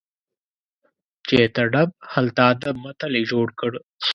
چیرته ډب، هلته ادب متل یې جوړ کړ.